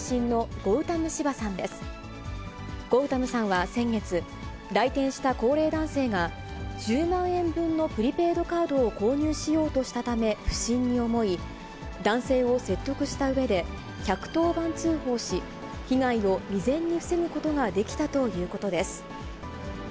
ゴウタムさんは先月、来店した高齢男性が、１０万円分のプリペイドカードを購入しようとしたため不審に思い、男性を説得したうえで、１１０番通報し、被害を未然に防ぐことができたということです。